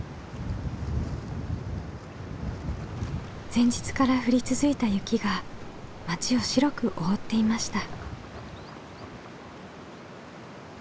前日から降り続いた雪が町を白く覆っていました。